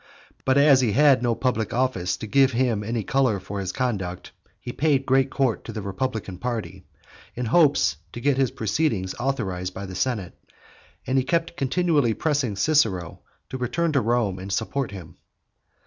But as he had no public office to give him any colour for this conduct, he paid great court to the republican party, in hopes to get his proceedings authorized by the senate; and he kept continually pressing Cicero to return to Rome and support him.